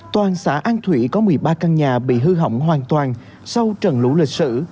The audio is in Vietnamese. toàn xã an thủy có một mươi ba căn nhà bị hư hỏng hoàn toàn sau trận lũ lịch sử